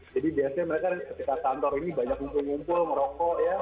jadi biasanya mereka ketika kantor ini banyak ngumpul ngumpul merokok ya